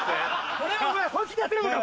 これをお前本気でやってるのか？